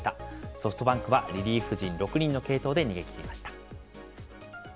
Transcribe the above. ソフトバンクはリリーフ陣６人の継投で逃げきりました。